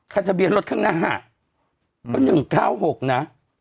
คันทะเบียร์รถข้างหน้า